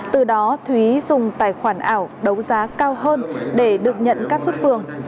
từ đó thúy dùng tài khoản ảo đấu giá cao hơn để được nhận các xuất phường